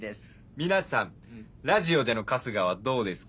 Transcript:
皆さんラジオでの春日はどうですか？